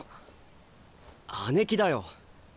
姉貴だよ。